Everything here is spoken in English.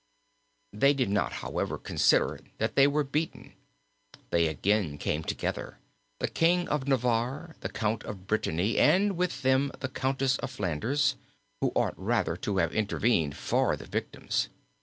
"They did not, however, consider that they were beaten. They again came together; the King of Navarre, the Count of Brittany, and with them the Countess of Flanders, who ought rather to have intervened for the victims.